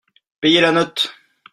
Payez la note.